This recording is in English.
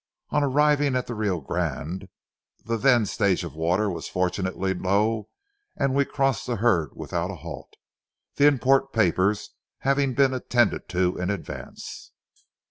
On arriving at the Rio Grande, the then stage of water was fortunately low and we crossed the herd without a halt, the import papers having been attended to in advance.